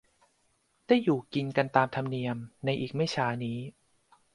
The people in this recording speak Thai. ได้อยู่กินกันตามธรรมเนียมในอีกไม่ช้านี้